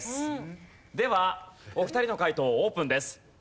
ではお二人の解答をオープンです。